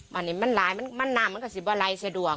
มันนี่มันหลายมันน้ำมันก็สิบอลัยสะดวก